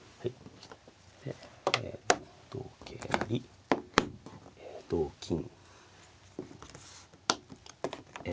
で同桂成同金え